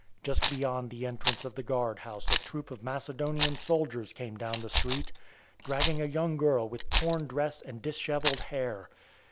Just beyond the entrance of the guard house a troop of Macedonian soldiers came down the street, dragging a young girl with torn dress and dishevelled hair.